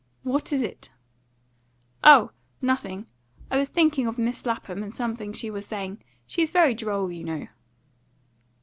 "What is it?" "Oh! nothing. I was thinking of Miss Lapham and something she was saying. She's very droll, you know."